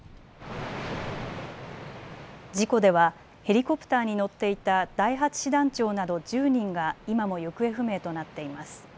事故ではヘリコプターに乗っていた第８師団長など１０人が今も行方不明となっています。